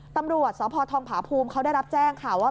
ตำรวจสพทองผาภูมิเขาได้รับแจ้งค่ะว่า